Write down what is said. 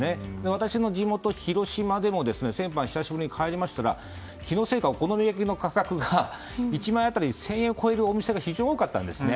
私の地元・広島でも久しぶりに帰りましたら気のせいか、お好み焼きの価格が１枚当たり、１０００円を超えるお店が非常に多かったんですね。